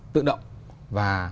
tự động và